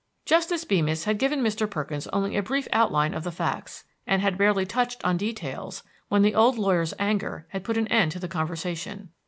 Justice Beemis had given Mr. Perkins only a brief outline of the facts, and had barely touched on details when the old lawyer's anger had put an end to the conversation.